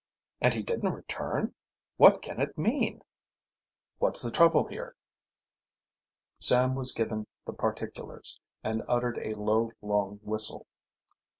And he didn't return? What can it mean?" "What's the trouble here?" Sam was given the particulars, and uttered a long, low whistle.